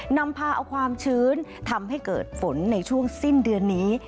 นำพาเอาความชื้นทำให้เกิดฝนในช่วงสิ้นเดือนนี้